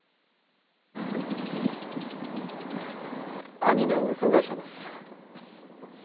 兄の運送会社です。